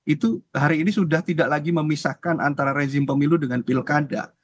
itu hari ini sudah tidak lagi memisahkan antara rezim pemilu dengan pilkada